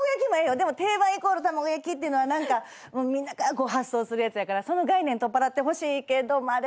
でも定番イコール卵焼きは何かみんなが発想するやつやからその概念取っ払ってほしいけどまあでも卵焼きはみんな好きか。